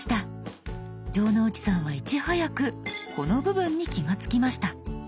城之内さんはいち早くこの部分に気が付きました。